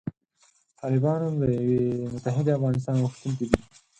طالبان د یوې متحدې افغانستان غوښتونکي دي.